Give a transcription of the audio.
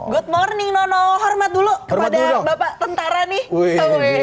good morning nono hormat dulu kepada bapak tentara nih